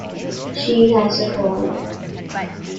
She has a fault.